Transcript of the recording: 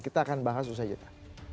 kita akan bahas usai jeda